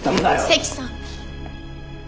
関さん。